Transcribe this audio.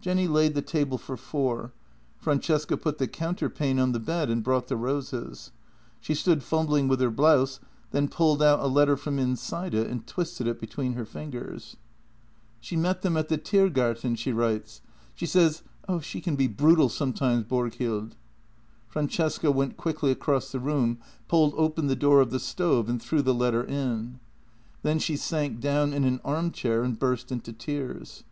Jenny laid the table for four. Francesca put the counter pane on the bed and brought the roses. She stood fumbling with her blouse, then pulled out a letter from inside it and twisted it between her fingers. JENNY S 2 " She met them at the Thiergarten — she writes. She says — oh, she can be brutal sometimes, Borghild." Francesca went quickly across the room, pulled open the door of the stove, and threw the letter in. Then she sank down in an arm chair and burst into tears.